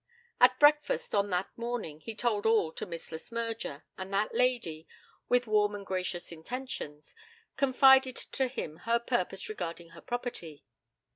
At breakfast on that morning he told all to Miss Le Smyrger, and that lady, with warm and gracious intentions, confided to him her purpose regarding her property.